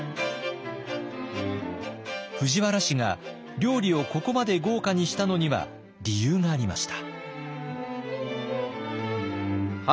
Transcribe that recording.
藤原氏が料理をここまで豪華にしたのには理由がありました。